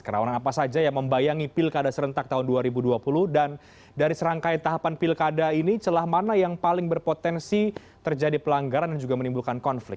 kerawanan apa saja yang membayangi pilkada serentak tahun dua ribu dua puluh dan dari serangkai tahapan pilkada ini celah mana yang paling berpotensi terjadi pelanggaran dan juga menimbulkan konflik